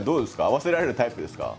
合わせられるタイプですか？